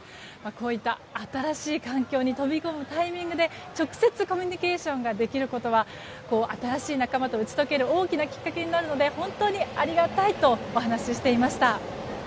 こういった、新しい環境に飛び込むタイミングで直接、コミュニケーションができることは新しい仲間と打ち解ける大きなきっかけになるので本当にありがたいとお話していました。